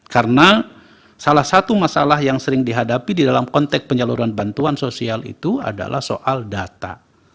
karena salah satu masalah yang sering dihadapi di dalam konteks penyaluran bantuan sosial itu adalah soal data